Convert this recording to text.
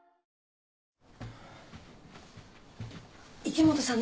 池本さん